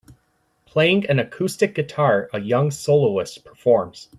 Playing an acoustic guitar, a young soloist performs.